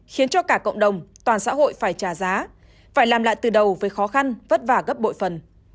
khiến cho cả cộng đồng toàn xã hội phải trả giá phải làm lại từ đầu với khó khăn vất vả gấp bội phần